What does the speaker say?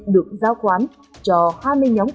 được giao quán cho hai bên nhóm phóng viên